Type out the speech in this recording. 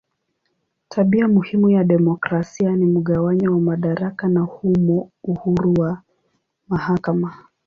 Tabia muhimu ya demokrasia ni mgawanyo wa madaraka na humo uhuru wa mahakama.